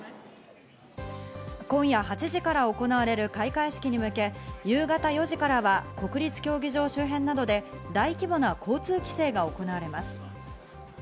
今夜８時から行われる開会式に向け、夕方４時からは国立競技場周辺などで大規模な交通規制が行われます。